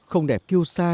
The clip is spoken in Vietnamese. không đẹp kiêu sa